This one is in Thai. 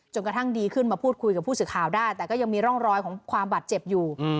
กระทั่งดีขึ้นมาพูดคุยกับผู้สื่อข่าวได้แต่ก็ยังมีร่องรอยของความบาดเจ็บอยู่